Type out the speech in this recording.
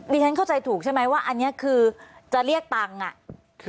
ฉันเข้าใจถูกใช่ไหมว่าอันนี้คือจะเรียกตังค์อ่ะ